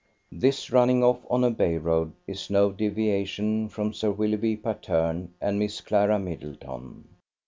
This running off on a by road is no deviation from Sir Willoughby Patterne and Miss Clara Middleton.